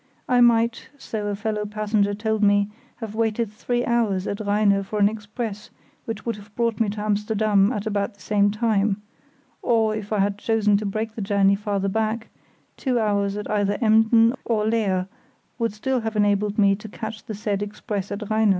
I might, so a fellow passenger told me, have waited three hours at Rheine for an express which would have brought me to Amsterdam at about the same time; or, if I had chosen to break the journey farther back, two hours at either Emden or Leer would still have enabled me to catch the said express at Rheine.